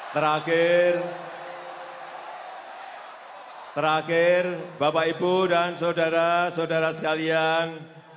terakhir terakhir bapak ibu dan saudara saudara sekalian